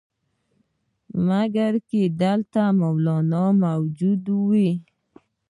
مګر که دلته مولنا موجود وي.